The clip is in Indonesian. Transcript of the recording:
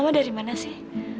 mama dari mana sih